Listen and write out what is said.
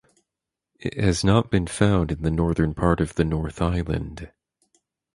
It has not been found in the northern part of the North Island.